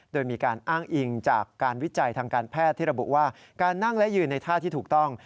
โดยมีการอ้างอิงจากการวิจัยทางการแพทย์ที่ระบุว่าการนั่งและยืนในท่าที่ถูกต้อง